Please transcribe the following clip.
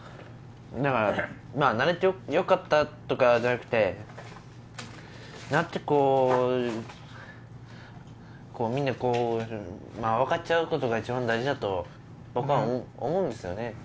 だからなれて良かったとかじゃなくて何かこうみんな分かっちゃうことが一番大事だと僕は思うんですよね。